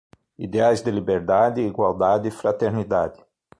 Ideais de liberdade, igualdade e fraternidade